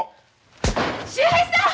秀平さん！